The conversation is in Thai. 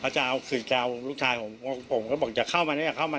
จากถ้าเอาลูกชายผมผมเขาบอกอย่าเข้ามา